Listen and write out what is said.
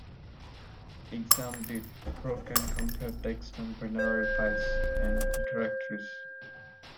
ExamDiff Pro can compare text and binary files, and directories.